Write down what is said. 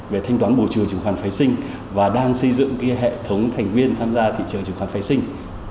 về thanh toán bổ trường chứng khoán phai sinh và đang xây dựng hệ thống thành viên tham gia thị trường chứng khoán phai sinh